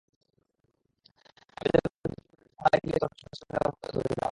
আমি তেমন কিছুই করিনি, শুধু আচমকা লাইট জ্বালিয়ে তার চোখের ওপর ধরেছিলাম।